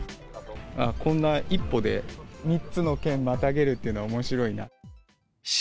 こんな１歩で、３つの県またげるのはおもしろいなと。